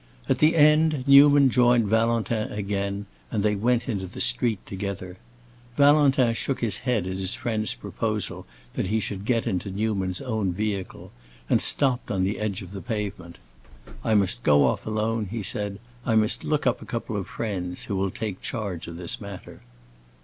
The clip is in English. At the end Newman joined Valentin again, and they went into the street together. Valentin shook his head at his friend's proposal that he should get into Newman's own vehicle, and stopped on the edge of the pavement. "I must go off alone," he said; "I must look up a couple of friends who will take charge of this matter."